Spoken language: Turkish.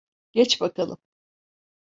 Geç bakalım.